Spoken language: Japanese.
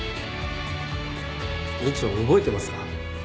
院長覚えてますか？